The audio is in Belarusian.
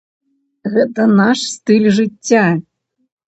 Гэта наш стыль жыцця.